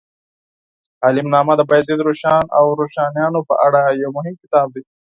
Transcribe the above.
حالنامه د بایزید روښان او روښانیانو په اړه یو مهم کتاب دی.